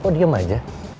aku mau bercuma aja